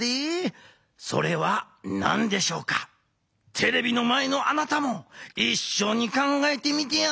テレビの前のあなたもいっしょに考えてみてや。